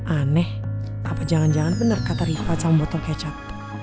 aneh apa jangan jangan bener kata rifat sama botol kecap